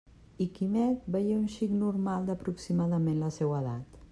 I Quimet veié un xic normal d'aproximadament la seua edat.